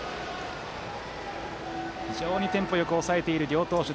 非常にテンポよく抑えている両投手。